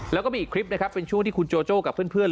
แล้วก็มีอีกคลิปนะครับเป็นช่วงที่คุณโจโจ้กับเพื่อน